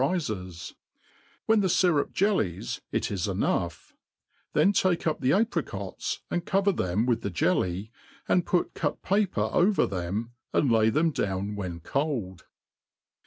rifes^ When the fyrup jellies, it is enough ; then take up the apri * cots, and cover them with the jelly, aad |)ut cut paper over i^hem^ and lay them down when cold.